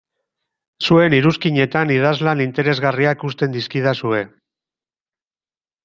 Zuen iruzkinetan idazlan interesgarriak uzten dizkidazue.